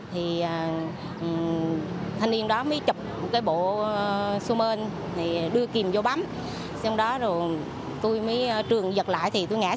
thì thánh niên đó mới chụp cái bộ xi men đưa kim vô bán